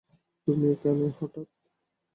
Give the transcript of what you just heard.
তুমি এখানে হঠাৎ?